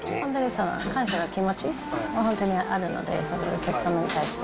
感謝の気持ち、本当にあるので、それはお客様に対して。